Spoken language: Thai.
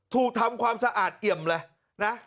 ถูกทำความสะอาดเอี่ยมเลยนะ